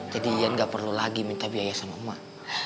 jadi ian gak perlu lagi minta biaya sama emak